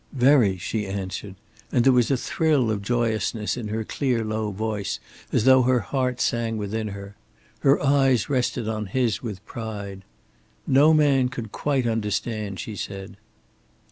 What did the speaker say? "Very," she answered, and there was a thrill of joyousness in her clear, low voice, as though her heart sang within her. Her eyes rested on his with pride. "No man could quite understand," she said.